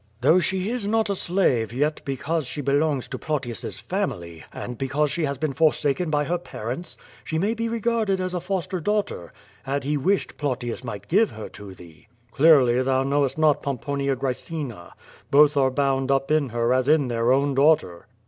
^^ "Though she is not a slave, yet because she belongs to Plautius^s family, and because she has been forsaken by her parents, she may be regarded as a foster daughter. Had he wished, Plautius might give her to thee." "Clearly thou knowest not Pomponia Qraecina. Both are bound up in her as in their own daughter."